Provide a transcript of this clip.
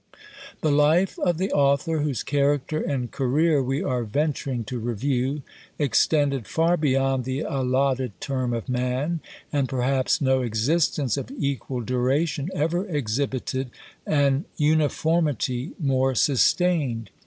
The life of the author, whose character and career we are venturing to review, extended far beyond the allotted term of man: and, perhaps, no existence of equal duration ever exhibited an uniformity more sustained.